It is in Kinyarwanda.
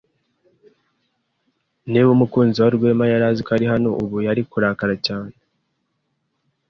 Niba umukunzi wa Rwema yari azi ko ari hano ubu, yari kurakara cyane.